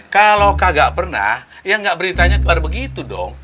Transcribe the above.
kalau kagak pernah ya gak beritanya kebar begitu dong